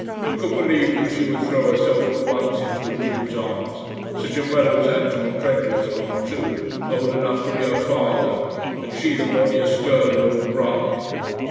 Who could believe that she would throw herself at once into a Jew's arms such a fellow as Anton Trendellsohn, too, old enough to be her father, and she the bonniest girl in all Prague?"